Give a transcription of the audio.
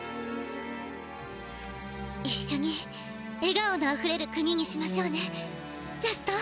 いっしょにえがおのあふれる国にしましょうねジャストン。